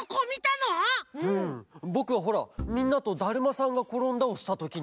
ぼくはほらみんなと「だるまさんがころんだ」をしたときに。